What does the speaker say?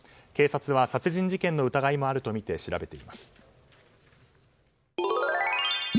警察は殺人事件の疑いもあるとみて調べています。